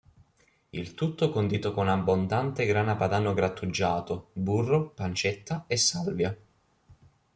Il tutto condito con abbondante grana padano grattugiato, burro, pancetta e salvia.